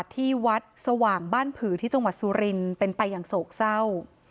ที่วัดสว่างบ้านผือที่จังหวัดสุรินเป็นไปอย่างโศกเศร้า